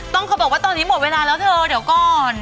เขาบอกว่าตอนนี้หมดเวลาแล้วเธอเดี๋ยวก่อน